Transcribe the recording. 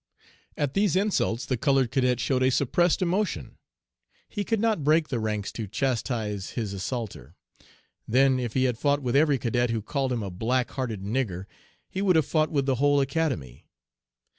"At these insults the colored cadet showed a suppressed emotion. He could not break the ranks to chastise his assaulter. Then if he had fought with every cadet who called him a ' black hearted nigger,' he would have fought with the whole Academy.